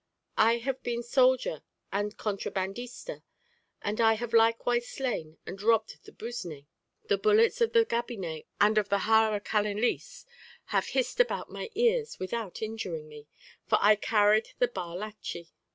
I have been soldier and contrabandista, and I have likewise slain and robbed the Busné. The bullets of the Gabiné and of the jara canallis have hissed about my ears without injuring me, for I carried the _bar lachí.